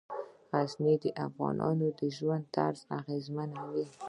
غزني د افغانانو د ژوند طرز اغېزمنوي.